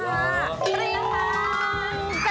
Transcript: กินนะคะ